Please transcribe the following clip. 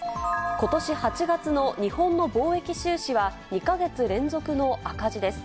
ことし８月の日本の貿易収支は、２か月連続の赤字です。